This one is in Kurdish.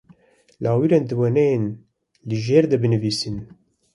Lawirên di wêneyên li jêr de binasin.